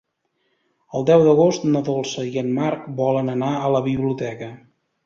El deu d'agost na Dolça i en Marc volen anar a la biblioteca.